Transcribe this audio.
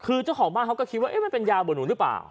คือเจ้าของบ้านเขาก็คิดว่ามันเป็นยาเหมือนหนูหรือเปล่า